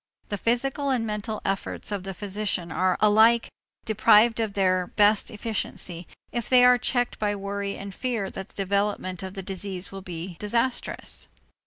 The physical and mental efforts of the physician are alike deprived of their best efficiency if they are checked by worry and fear that the developments of the disease will be disastrous.